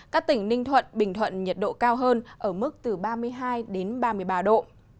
các tỉnh ninh thuận bình thuận nhiệt độ cao hơn ở mức từ ba mươi hai ba mươi ba độ